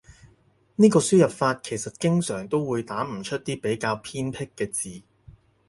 呢個輸入法其實經常都會打唔出啲比較偏僻嘅字